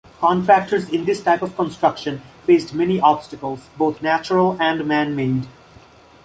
Contractors in this type of construction faced many obstacles, both natural and man-made.